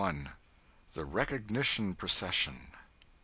The Recognition procession.